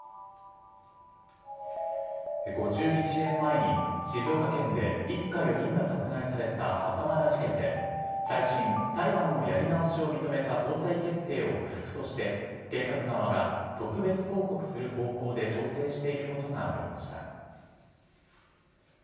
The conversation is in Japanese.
５７年前に静岡県で一家４人が殺害された袴田事件で再審、裁判のやり直しを認めた高裁決定を不服として検察側が特別抗告する方向で調整していることが分かりました。